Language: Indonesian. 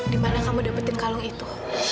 di mana kamu dapetin kalung itu